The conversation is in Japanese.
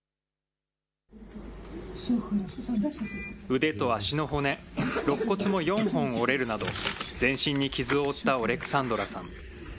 腕と足の骨、ろっ骨も４本折れるなど、全身に傷を負ったオレクサンドラさん。